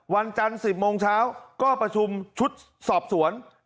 วันจันทร์๑๐โมงเช้าก็ประชุมชุดสอบสวน